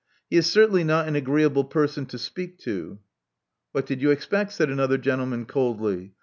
He is certainly not an agreeable person to speak to. " What did you expect?" said another gentleman coldly.